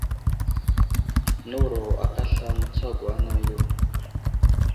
Nəwuro aka aslam mətsago anaŋ yo.